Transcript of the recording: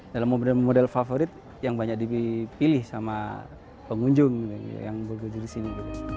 dalam model model favorit yang banyak dipilih sama pengunjung yang berkejurus ini